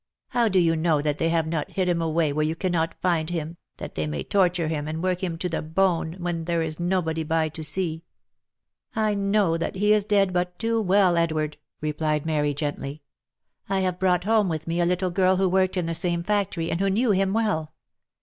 " How do you know that they have hot hid him away where you cannot find him, that they may torture him, and work him to the bone, when there is nobody by to see?" OF MICHAEL ARMSTRONG. 291 "I know that lie is dead but too well, Edward," replied Mary, gently. " I have brought home with me a little girl who worked in the same factory, and who knew him well.